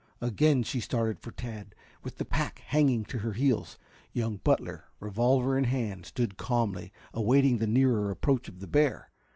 Again she started for Tad with the pack hanging to her heels. Young Butler, revolver in hand, stood calmly awaiting the nearer approach of the bear.